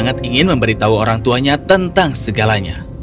sangat ingin memberitahu orang tuanya tentang segalanya